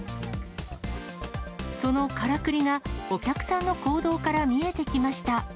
そのからくりがお客さんの行動から見えてきました。